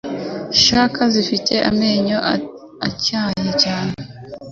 Requins/sharks zifite amenyo atyaye cyane